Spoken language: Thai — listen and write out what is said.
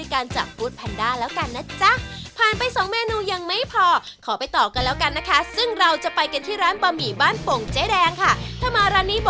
ขอบคุณมากครับน้องเจ็บครับ